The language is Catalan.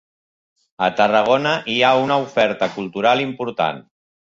A Tarragona hi ha una oferta cultural important.